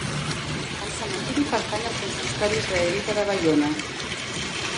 El cementiri pertany al Consistori israelita de Baiona.